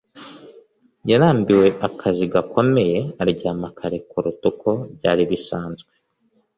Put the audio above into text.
yarambiwe akazi gakomeye, aryama kare kuruta uko byari bisanzwe